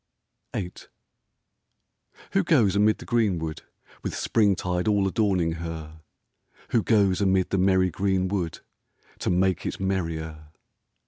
VIII Who goes amid the green wood With springtide all adorning her ? Who goes amid the merry green wood To make it merrier